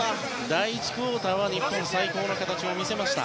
第１クオーターは日本、最高の形を見せました。